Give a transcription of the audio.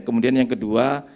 kemudian yang kedua